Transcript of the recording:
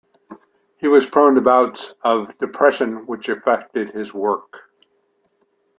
He was prone to bouts of depression, which affected his work.